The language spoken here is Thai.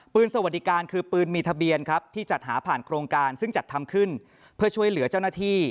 สวัสดีการคือปืนมีทะเบียนครับที่จัดหาผ่านโครงการซึ่งจัดทำขึ้นเพื่อช่วยเหลือเจ้าหน้าที่